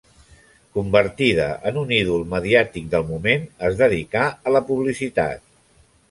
Convertida en un ídol mediàtic del moment, es dedicà a la publicitat.